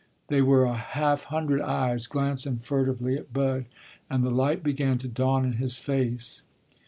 There were a half hundred eyes glancing furtively at Bud, and the light began to dawn in his face.